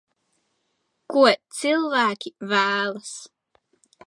Ko cilvēki vēlas.